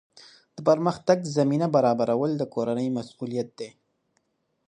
د پرمختګ زمینه برابرول د کورنۍ مسؤلیت دی.